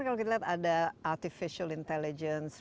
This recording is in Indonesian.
kalau kita lihat ada artificial intelligence